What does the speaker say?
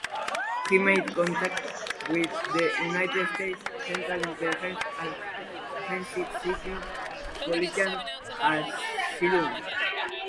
He made contact with the United States Central Intelligence Agency seeking political asylum.